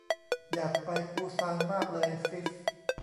อยากไปปูซานมากเลยซิส